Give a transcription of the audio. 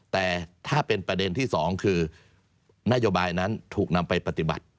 แต่ถ้าเป็นประเด็นที่สองคือนโยบายนั้นถูกนำไปปฏิบัติ